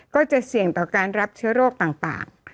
ก็จะเสี่ยงต่อการรับเชื้อโรคต่าง